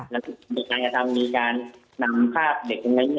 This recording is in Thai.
แล้วถูกกระทำมีการนำภาพเด็กไว้